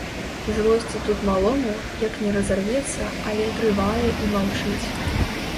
Злосці тут малому, як не разарвецца, але трывае і маўчыць.